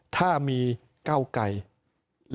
ถ้ามีเก้าไกล